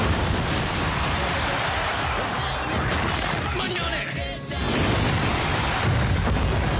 間に合わねえ！